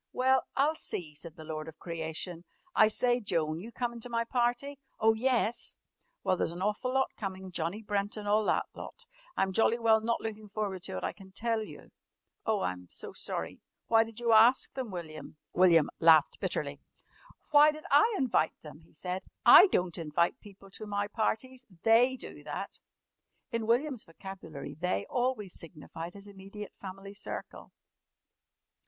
"Well, I'll see," said the lord of creation. "I say, Joan, you comin' to my party?" "Oh, yes!" "Well, there's an awful lot comin'. Johnny Brent an' all that lot. I'm jolly well not lookin' forward to it, I can tell you." "Oh, I'm so sorry! Why did you ask them, William?" William laughed bitterly. "Why did I invite them?" he said. "I don't invite people to my parties. They do that." In William's vocabulary "they" always signified his immediate family circle.